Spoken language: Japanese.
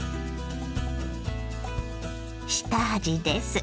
下味です。